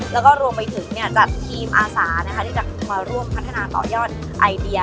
แล้วก็รวมไปถึงจัดทีมอาสาที่จะมาร่วมพัฒนาต่อยอดไอเดีย